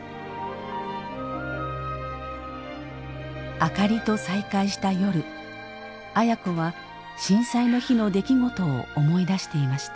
あかりと再会した夜亜哉子は震災の日の出来事を思い出していました。